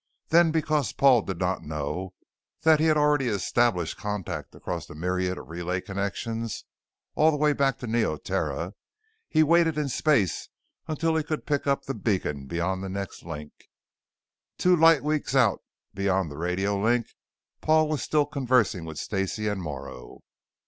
Then, because Paul did not know that he had already established contact across a myriad of relay connections all the way back to Neoterra, he waited in space until he could pick up the beacon beyond the next link. Two light weeks out beyond the radio link, Paul was still conversing with Stacey and Morrow.